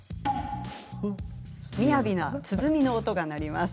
みやびな鼓の音が鳴ります。